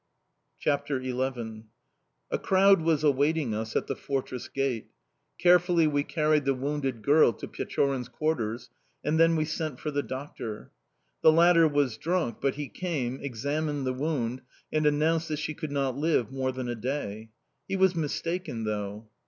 CHAPTER XI "A CROWD was awaiting us at the fortress gate. Carefully we carried the wounded girl to Pechorin's quarters, and then we sent for the doctor. The latter was drunk, but he came, examined the wound, and announced that she could not live more than a day. He was mistaken, though."